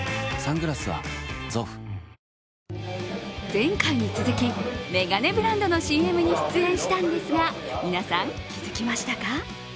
前回に続きめがねブランドのＣＭに出演したんですが皆さん、気づきましたか？